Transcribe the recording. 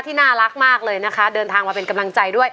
น่ารักมากเลยนะคะเดินทางมาเป็นกำลังใจด้วย